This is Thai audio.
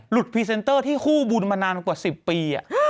พรีเซนเตอร์ที่คู่บุญมานานกว่า๑๐ปี